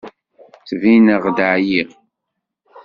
Ttbineɣ-d εyiɣ?